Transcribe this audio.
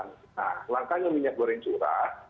nah langkahnya minyak goreng curah